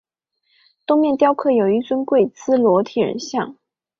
东面雕刻有一尊跪姿裸体人像。